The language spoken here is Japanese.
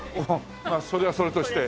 まあそれはそれとして。